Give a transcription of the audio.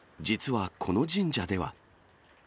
実はこの神社では。